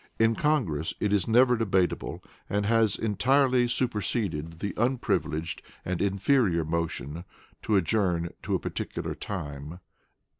In Congress, it is never debatable, and has entirely superseded the unprivileged and inferior motion to "adjourn to a particular time."